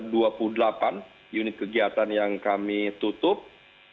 dan sudah dua puluh delapan unit kegiatan yang kami beri teguran dan denda